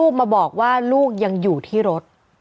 มาบอกว่าลูกยังอยู่ที่รถ